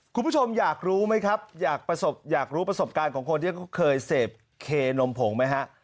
คุณผู้ชมอยากรู้ไหมครับอยากรู้ประสบการณ์ของคนที่เขาเคยเสพเคนมผงไหมฮะ